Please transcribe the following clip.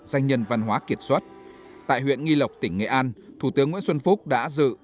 danh nhân văn hóa kiệt xuất tại huyện nghi lộc tỉnh nghệ an thủ tướng nguyễn xuân phúc đã dự